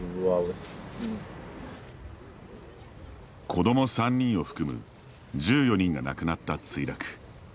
子供３人を含む１４人が亡くなった墜落。